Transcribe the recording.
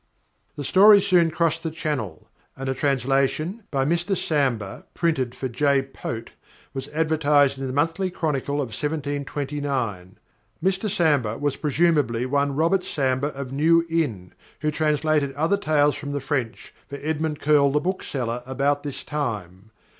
_ _The stories soon crossed the Channel; and a translation "by Mr Samber, printed for J. Pote" was advertised in the "Monthly Chronicle" of 1729. "Mr Samber" was presumably one Robert Samber of New Inn, who translated other tales from the French, for Edmond Curl the bookseller, about this time.